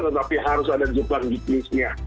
tetapi harus ada juplak juknisnya